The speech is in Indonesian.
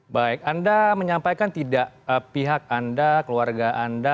baik anda menyampaikan tidak pihak anda keluarga anda